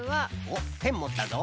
おっペンもったぞ。